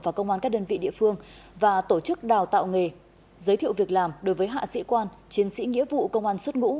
và công an các đơn vị địa phương và tổ chức đào tạo nghề giới thiệu việc làm đối với hạ sĩ quan chiến sĩ nghĩa vụ công an xuất ngũ